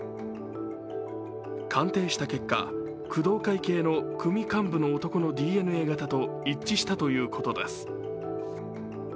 鑑定した結果、工藤会系の組幹部の男のＤＮＡ型と一致したということです。